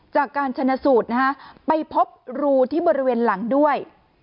จากการชนะสูตรนะฮะไปพบรูที่บริเวณหลังด้วย